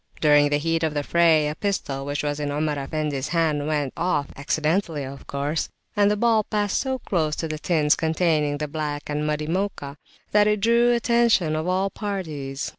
During the heat of the fray, a pistol which was in Omar Effendi's hand went off accidentally of course and the ball passed so close to the tins containing the black and muddy Mocha, that it drew the attention of all parties.